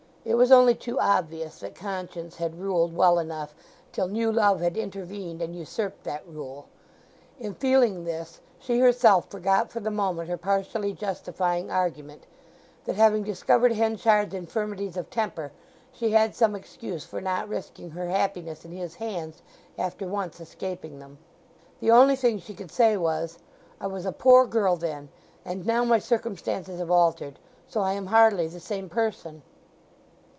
It was only too obvious that conscience had ruled well enough till new love had intervened and usurped that rule. In feeling this she herself forgot for the moment her partially justifying argument—that having discovered Henchard's infirmities of temper, she had some excuse for not risking her happiness in his hands after once escaping them. The only thing she could say was, "I was a poor girl then; and now my circumstances have altered, so I am hardly the same person."